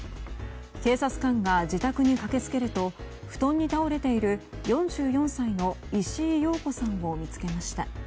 警察官が自宅に駆け付けると布団に倒れている４４歳の石井庸子さんを見つけました。